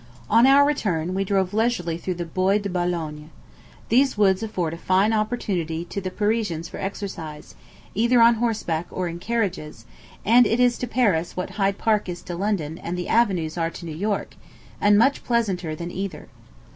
On our return, we drove leisurely through the Bois de Boulogne. These woods afford a fine opportunity to the Parisians for exercise, either on horseback or in carriages, and it is to Paris what Hyde Park is to London and the avenues are to New York, and much pleasanter than either.